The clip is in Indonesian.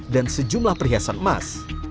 dan sejumlah perhiasan emas